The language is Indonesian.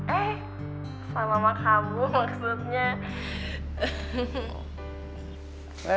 eh sama emak kamu maksudnya